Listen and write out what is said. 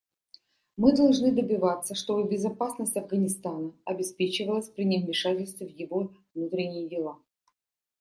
Мы должны добиваться, чтобы безопасность Афганистана обеспечивалась при невмешательстве в его внутренние дела.